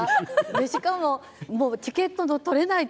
しかも、チケットの取れないって。